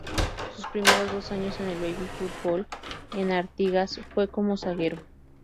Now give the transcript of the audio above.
Sus primeros dos años en el Baby Fútbol en Artigas fue como zaguero.